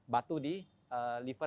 batu di liver